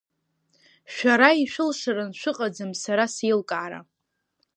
Шәара ишәылшаран шәыҟаӡам сара сеилкаара.